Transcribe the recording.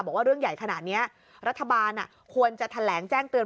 บอกว่าเรื่องใหญ่ขนาดนี้รัฐบาลควรจะแถลงแจ้งเตือน